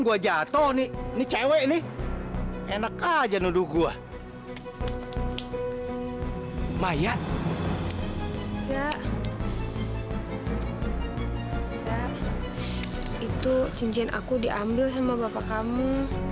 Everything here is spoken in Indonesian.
gue jatuh nih ini cewek nih enak aja nuduh gua mayat itu cincin aku diambil sama bapak kamu